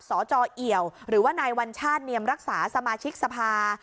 สจเอี่ยวหรือว่านายวัญชาติเนียมรักษาสมาชิกสภา